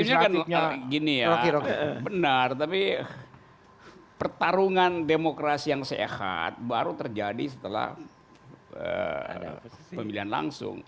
artinya kan gini ya benar tapi pertarungan demokrasi yang sehat baru terjadi setelah pemilihan langsung